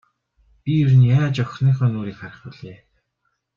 Би ер нь яаж охиныхоо нүүрийг харах билээ.